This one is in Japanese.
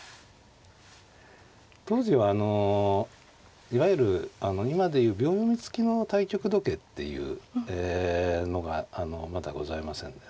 当時はあのいわゆる今で言う秒読み付きの対局時計っていうのがまだございませんでね。